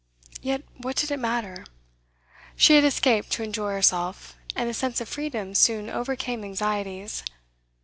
Yet what did it matter? She had escaped to enjoy herself, and the sense of freedom soon overcame anxieties.